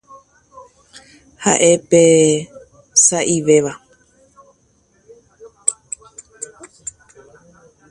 Es el más raro.